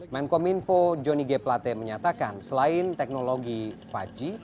menkom info jonny g plate menyatakan selain teknologi lima g